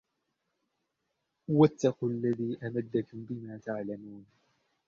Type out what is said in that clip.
واتقوا الذي أمدكم بما تعلمون